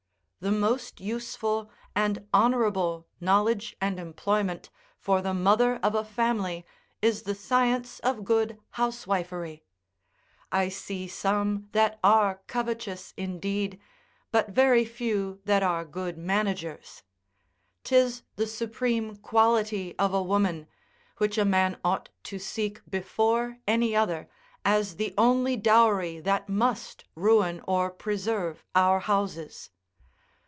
The most useful and honourable knowledge and employment for the mother of a family is the science of good housewifery. I see some that are covetous indeed, but very few that are good managers. 'Tis the supreme quality of a woman, which a man ought to seek before any other, as the only dowry that must ruin or preserve our houses.